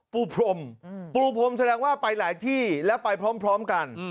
ปูพรมปูพรมแสดงว่าไปหลายที่แล้วไปพร้อมกัน